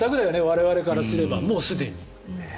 我々からすればもうすでに。